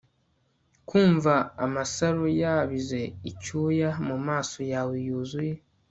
kumva amasaro yabize icyuya mumaso yawe yuzuye